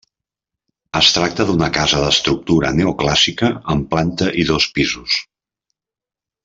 Es tracta d'una casa d'estructura neoclàssica amb planta i dos pisos.